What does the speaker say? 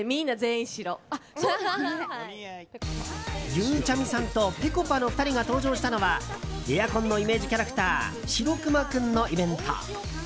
ゆうちゃみさんとぺこぱの２人が登場したのはエアコンのイメージキャラクター白くまくんのイベント。